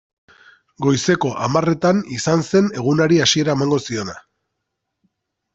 Goizeko hamarretan izan zen egunari hasiera emango ziona.